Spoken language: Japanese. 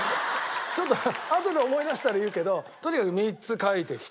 ちょっとあとで思い出したら言うけどとにかく３つ書いてきて。